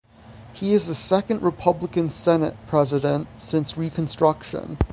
He is the second Republican Senate President since Reconstruction.